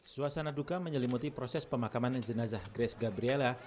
suasana duka menyelimuti proses pemakaman jenazah grace gabriela